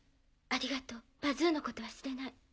ありがとうパズーのこと忘れない。